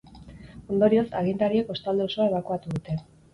Ondorioz, agintariek kostalde osoa ebakuatu dute.